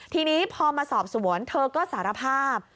ทีนี้พอมาสอบสวนเธอก็สารภาพ